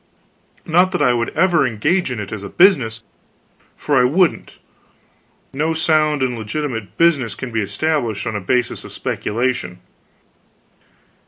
Not that I would ever engage in it as a business, for I wouldn't. No sound and legitimate business can be established on a basis of speculation.